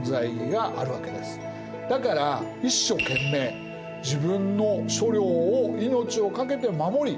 だから一所懸命自分の所領を命を懸けて守り